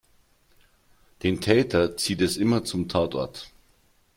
Den Täter zieht es immer zum Tatort.